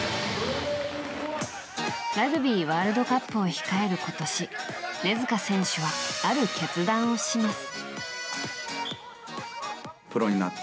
ラグビーワールドカップを控える今年根塚選手は、ある決断をします。